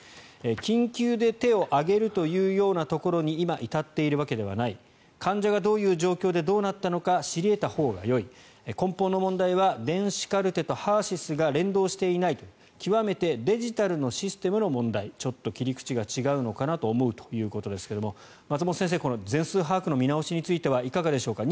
緊急で手を上げるというようなところに今、至っているわけではない患者がどういう状況でどうなったのか知り得たほうがよい根本の問題は電子カルテとＨＥＲ−ＳＹＳが連動していないと極めてデジタルのシステムの問題ちょっと切り口が違うのかなと思うということですが松本先生全数把握の見直しについてはいかがでしょうか。